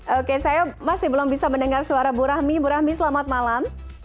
oke saya masih belum bisa mendengar suara bu rahmi bu rahmi selamat malam